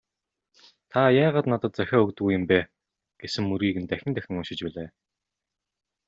"Та яагаад надад захиа өгдөггүй юм бэ» гэсэн мөрийг нь дахин дахин уншиж билээ.